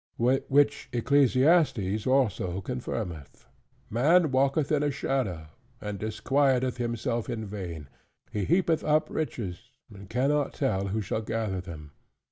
Which Ecclesiastes also confirmeth: "Man walketh in a shadow, and disquieteth himself in vain: he heapeth up riches, and can not tell who shall gather them.